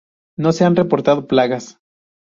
No se han reportado plagas.